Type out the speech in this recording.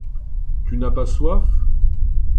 Tu n’as pas soif?